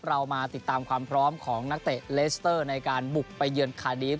เรามาติดตามความพร้อมของนักเตะเลสเตอร์ในการบุกไปเยือนคาดีฟ